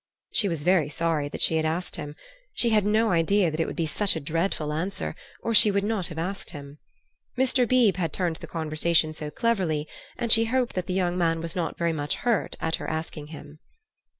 She was very sorry that she had asked him. She had no idea that it would be such a dreadful answer, or she would not have asked him. Mr. Beebe had turned the conversation so cleverly, and she hoped that the young man was not very much hurt at her asking him.